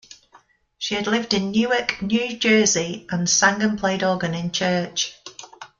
She had lived in Newark, New Jersey, and sang and played organ in church.